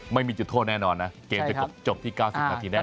ไม่มีจุดโทษแน่นอนนะเกม๑๖จบที่๙๐นาทีแน่น